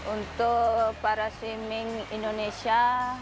untuk para swimming indonesia